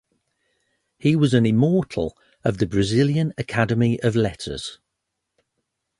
He was an "immortal" of the Brazilian Academy of Letters.